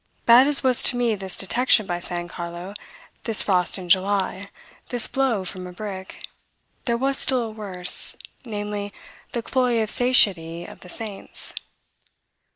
Bad as was to me this detection by San Carlo, this frost in July, this blow from a brick, there was still a worse, namely, the cloy or satiety of the saints.